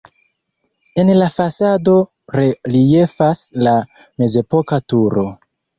En la fasado reliefas la mezepoka turo.